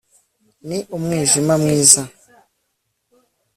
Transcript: ni umwijima mwiza